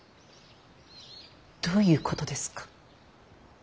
どういうことですか。